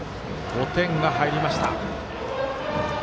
５点が入りました。